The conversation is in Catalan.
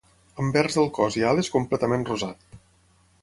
Anvers del cos i ales completament rosat.